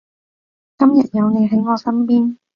今日有你喺我身邊